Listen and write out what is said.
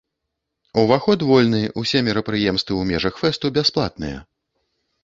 Уваход вольны, усе мерапрыемствы ў межах фэсту бясплатныя.